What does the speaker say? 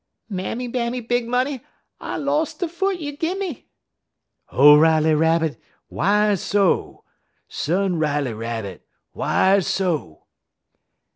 "'Mammy Bammy Big Money, I los' de foot you gim me.' "'O Riley Rabbit, why so? Son Riley Rabbit, why so?'